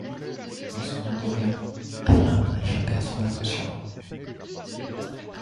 les souvenirs d'Orion Rien n'a échappé à son attention.